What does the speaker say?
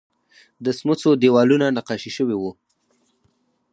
د سمڅو دیوالونه نقاشي شوي وو